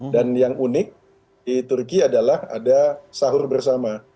dan yang unik di turki adalah ada sahur bersama